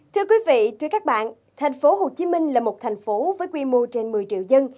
thưa quý vị thưa các bạn tp hcm là một thành phố với quy mô trên một mươi triệu dân